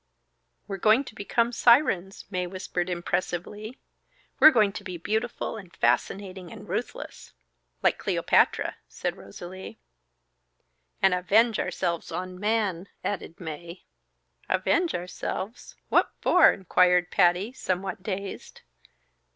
"We're going to become sirens," Mae whispered impressively. "We're going to be beautiful and fascinating and ruthless " "Like Cleopatra," said Rosalie. "And avenge ourselves on Man," added Mae. "Avenge ourselves what for?" inquired Patty, somewhat dazed.